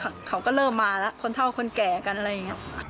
เขาก็เริ่มมาแล้วคนเท่าคนแก่กันอะไรอย่างนี้